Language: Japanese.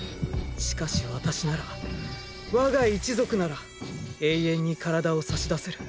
しかし私なら我が一族なら永遠に体を差し出せる。